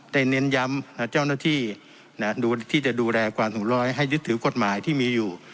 เน้นย้ำเจ้าหน้าที่ที่จะดูแลความถุงร้อยให้ยึดถือกฎหมายที่มีอยู่